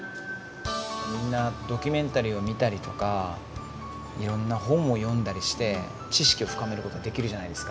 みんなドキュメンタリーを見たりとかいろんな本を読んだりして知識を深めることはできるじゃないですか。